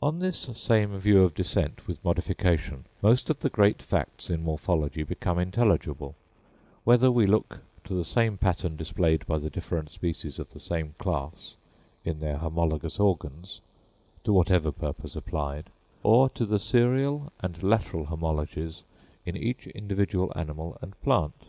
On this same view of descent with modification, most of the great facts in Morphology become intelligible—whether we look to the same pattern displayed by the different species of the same class in their homologous organs, to whatever purpose applied, or to the serial and lateral homologies in each individual animal and plant.